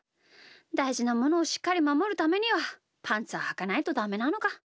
だいじなものをしっかりまもるためにはパンツははかないとダメなのか。